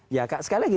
ya sekali lagi